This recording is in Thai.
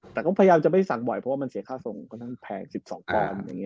แต่ก็พยายามจะไม่สั่งบ่อยเพราะว่ามันเสียค่าส่งค่อนข้างแพง๑๒ปอนด์